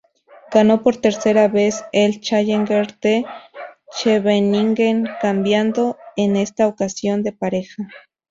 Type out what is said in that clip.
Ganó por tercera vez el Challenger de Scheveningen cambiando en esta ocasión de pareja.